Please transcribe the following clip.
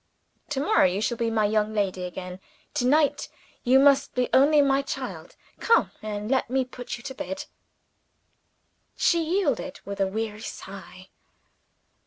"To morrow you shall be my young lady again. To night you must be only my child. Come, and let me put you to bed." She yielded with a weary sigh.